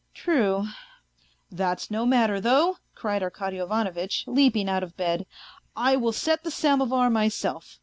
..."" True." " That's no matter, though," cried Arkady Ivanovitch, leaping out of bed. " I will set the samovar myself.